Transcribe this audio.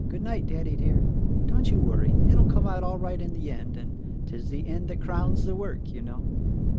Good night, Daddy, dear! Don't you worry; it will come out all right in the end — and ' Tis the end that crowns the work,' you know."